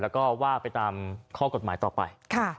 แล้วก็ว่าไปตามข้อกฎหมายต่อไป